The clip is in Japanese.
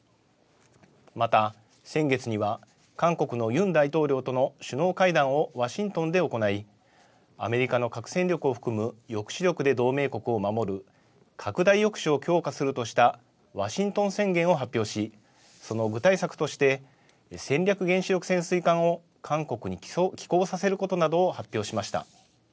また先月には韓国のユン大統領との首脳会談をワシントンで行いアメリカの核戦力を含む抑止力で同盟国を守る拡大抑止を強化するとしたワシントン宣言を発表しその具体策として戦略原子力潜水艦を韓国に寄港させることなどを発表しました。